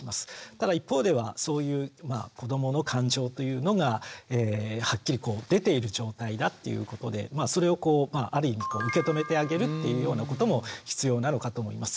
ただ一方ではそういう子どもの感情というのがはっきりこう出ている状態だっていうことでそれをこうある意味受け止めてあげるっていうようなことも必要なのかと思います。